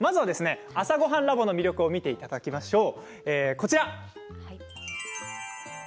「朝ごはんＬａｂ．」の魅力を見ていただきましょう。